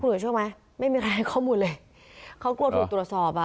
เชื่อไหมไม่มีใครให้ข้อมูลเลยเขากลัวถูกตรวจสอบอ่ะ